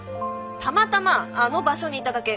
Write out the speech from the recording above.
たまたまあの場所にいただけ。